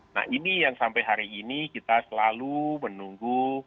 nah ini yang sampai hari ini kita selalu menunggu